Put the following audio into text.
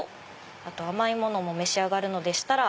甘いものも召し上がるのでしたら